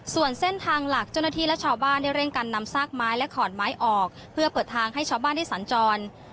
ส่วนเส้นทางหลักเจ้าหน้าที่และชาวบ้านได้เร่งกันนำซากไม้และขอนไม้ออกเพื่อเปิดทางให้ชาวบ้านได้สัญจร